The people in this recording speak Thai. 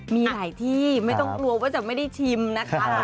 มีหลายที่ไม่ต้องกลัวว่าจะไม่ได้ชิมนะคะ